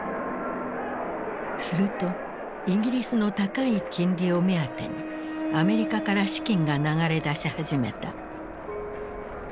するとイギリスの高い金利を目当てにアメリカから資金が流れ出し始めた。